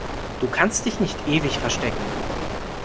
Du kannst dich nicht ewig verstecken!